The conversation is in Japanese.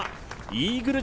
イーグル